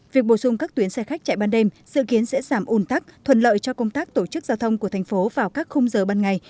việc bổ sung các tuyến xe khách chạy ban đêm dự kiến sẽ giảm ủn tắc thuần lợi cho công tác tổ chức giao thông của thành phố vào các khung giờ ban ngày